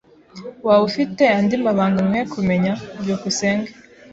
Waba ufite andi mabanga nkwiye kumenya? byukusenge